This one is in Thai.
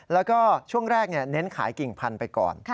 แล้วก็ช่วงแรกเน้นขายกิ่งพันธุ์ไปก่อน